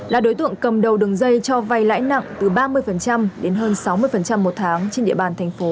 là đối tượng cầm đầu đường dây cho vay lãi nặng từ ba mươi đến hơn sáu mươi một tháng trên địa bàn thành phố